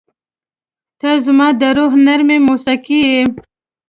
• ته زما د روح نرمه موسیقي یې.